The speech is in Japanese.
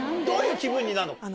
どういう気分になんの？